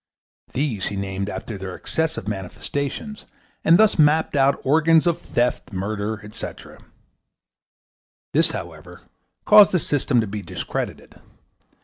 These he named after their excessive manifestations, and thus mapped out organs of theft, murder, etc. This, however, caused the system to be discredited.